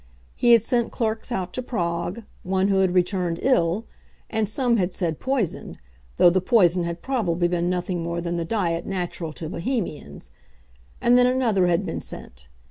He had sent clerks out to Prague, one who had returned ill, as some had said poisoned, though the poison had probably been nothing more than the diet natural to Bohemians. And then another had been sent.